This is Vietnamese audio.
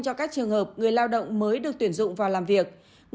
cho các trường hợp người lao động mới được tuyển dụng vào làm việc